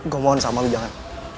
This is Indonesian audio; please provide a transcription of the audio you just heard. gua mohon sama lu jangan